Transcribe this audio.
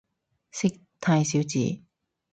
識太少字